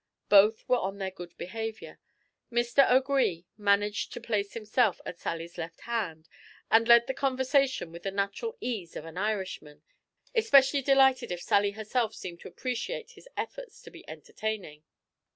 Both were on their good behaviour. Mr. O'Gree managed to place himself at Sally's left hand, and led the conversation with the natural ease of an Irishman, especially delighted if Sally herself seemed to appreciate his efforts to be entertaining.